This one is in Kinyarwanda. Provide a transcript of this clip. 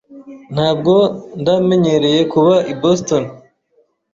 Ntabwo ndamenyereye kuba i Boston.